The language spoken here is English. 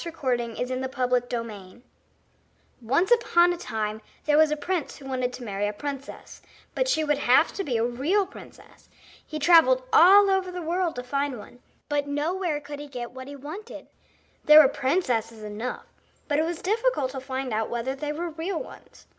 THE PRINCESS AND THE PEA Once upon a time there was a prince who wanted to marry a princess; but she would have to be a real princess. He travelled all over the world to find one, but nowhere could he get what he wanted. There were princesses enough, but it was difficult to find out whether they were real ones.